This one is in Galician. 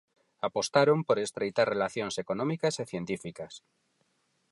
Apostaron por estreitar relacións económicas e científicas.